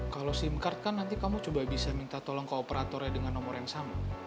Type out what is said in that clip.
kalau sim card kan nanti kamu coba bisa minta tolong ke operatornya dengan nomor yang sama